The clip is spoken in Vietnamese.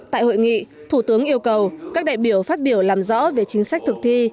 tại hội nghị thủ tướng yêu cầu các đại biểu phát biểu làm rõ về chính sách thực thi